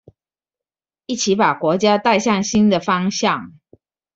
一起把國家帶向新的方向